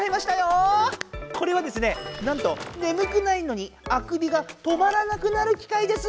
これはですねなんとねむくないのにあくびが止まらなくなるきかいです！